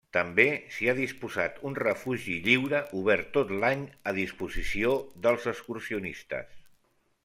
També s'hi ha disposat un refugi lliure, obert tot l'any, a disposició dels excursionistes.